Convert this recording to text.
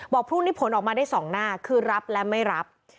พรุ่งนี้ผลออกมาได้๒หน้าคือรับและไม่รับ